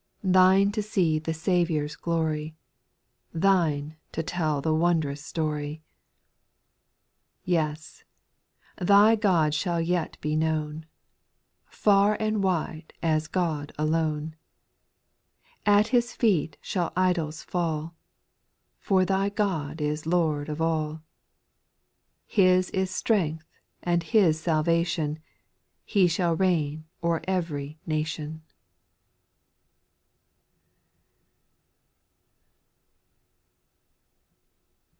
Thine to see the Saviour's glory, Thine to tell the wondrous story. 4. Yes ! thy God shall yet be known, Far and wide as God alone ; At His feet shall idols fall. For thy God is Lord of all ; His is strength and His salvation — He shall reign o'er ev n*y nation.